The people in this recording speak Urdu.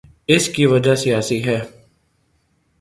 اس کی وجہ سیاسی ہے۔